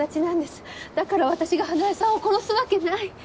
だから私が花絵さんを殺すわけない！